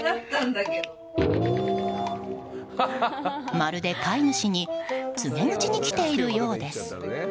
まるで飼い主に告げ口に来ているようです。